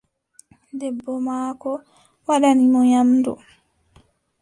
Debbo maako waddani mo nyamndu.